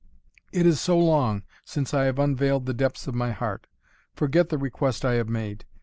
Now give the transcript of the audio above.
It is so long, since I have unveiled the depths of my heart. Forget the request I have made.